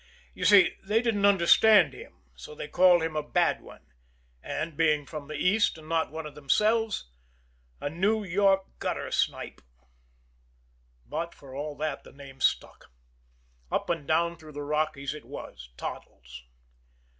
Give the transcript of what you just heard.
You see, they didn't understand him, so they called him a "bad one," and, being from the East and not one of themselves, "a New York gutter snipe." But, for all that, the name stuck. Up and down through the Rockies it was Toddles.